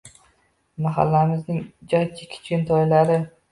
Maxallamizning jajji kichkintoylari